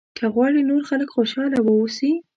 که غواړې نور خلک خوشاله واوسي.